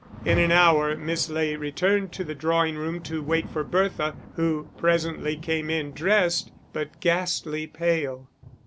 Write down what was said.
In an hour Miss Ley returned to the drawing room to wait for Bertha, who presently came in, dressed but ghastly pale.